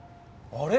あれ？